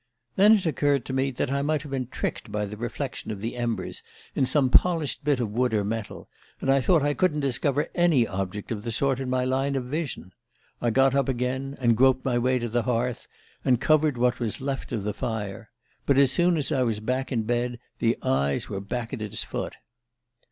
Then it occurred to me that I might have been tricked by the reflection of the embers in some polished bit of wood or metal; and though I couldn't discover any object of the sort in my line of vision, I got up again, groped my way to the hearth, and covered what was left of the fire. But as soon as I was back in bed the eyes were back at its foot.